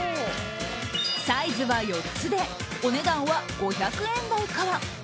サイズは４つでお値段は５００円台から。